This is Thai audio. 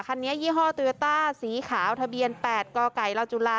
คันนี้ยี่ห้อตูยาต้าสีขาวทะเบียนแปดกไก่ลาจุลา